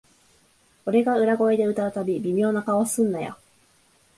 俺が裏声で歌うたび、微妙な顔すんなよ